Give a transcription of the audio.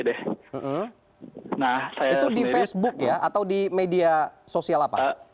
nah itu di facebook ya atau di media sosial apa